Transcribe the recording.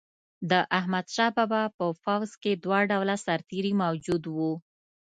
د احمدشاه بابا په پوځ کې دوه ډوله سرتیري موجود وو.